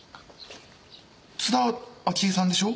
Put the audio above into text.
津田明江さんでしょう？